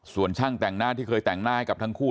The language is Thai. ส่วนช่างแต่งหน้าที่เคยแต่งหน้าให้กับทั้งคู่